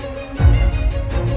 sekarang dia malam